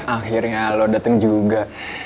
akhirnya lo dateng juga